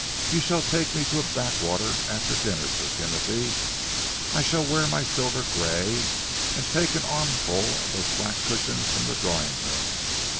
You shall take me to a backwater after dinner, Sir Timothy. I shall wear my silver grey and take an armful of those black cushions from the drawing room.